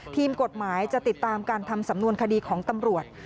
ทีมกฎหมายจะติดตามการทำสำนวนคดีของตำรวจ